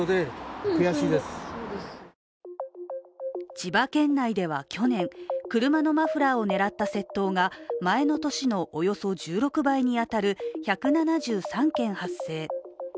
千葉県内では去年、車のマフラーを狙った窃盗が前の年のおよそ１６倍に当たる１７３件発生。